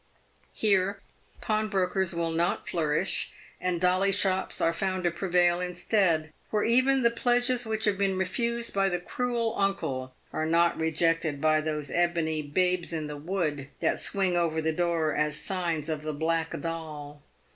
Here pawnbrokers will not flourish, and " dolly shops" are found to prevail instead, where even the pledges which have been refused by the " cruel uncle" are not rejected by those ebony " babes in the wood" that swing over the door as signs of the Black Doll.